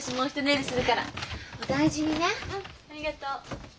ありがとう。